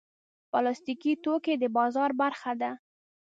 پلاستيکي توکي د بازار برخه ده.